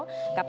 kpu dki jakarta